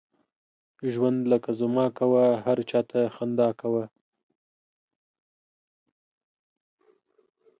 ژوند لکه زما کوه، هر چاته خندا کوه.